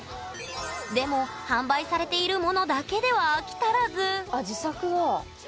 でも販売されているものだけでは飽き足らずあ自作だ。